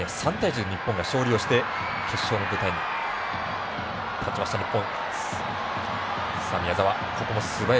そのときは３対１日本が勝利をして決勝の舞台に立ちました、日本。